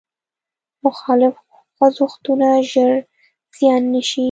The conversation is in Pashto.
مخالف خوځښتونه ژر زیان نه شي.